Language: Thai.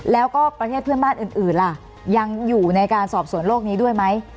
แล้วก็ประเทศเพื่อนบ้านอื่นล่ะยังอยู่ในการสอบสวนโลกนี้ด้วยไหม